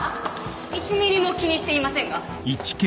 １ミリも気にしていませんが。